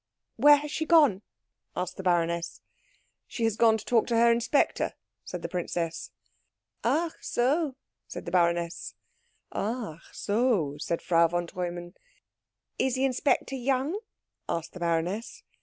"Where has she gone?" asked the baroness. "She has gone to talk to her inspector," said the princess. "Ach so," said the baroness. "Ach so," said Frau von Treumann. "Is the inspector young?" asked the baroness.